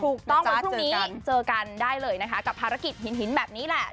วันพรุ่งนี้เจอกันได้เลยนะคะกับภารกิจหินแบบนี้แหละ